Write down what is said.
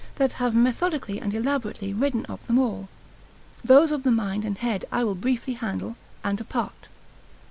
that have methodically and elaborately written of them all. Those of the mind and head I will briefly handle, and apart.